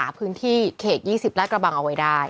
พื้นที่เขต๒๐ลาดกระบังเอาไว้ได้